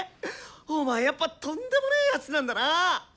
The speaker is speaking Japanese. お前やっぱとんでもね奴なんだな！